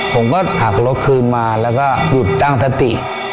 ผมก็หักรถคืนมาแล้วก็หยุดตั้งสติ